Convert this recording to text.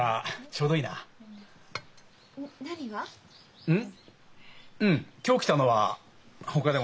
うん。